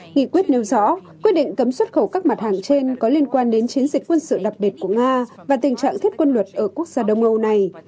nghị quyết nêu rõ quyết định cấm xuất khẩu các mặt hàng trên có liên quan đến chiến dịch quân sự đặc biệt của nga và tình trạng thiết quân luật ở quốc gia đông âu này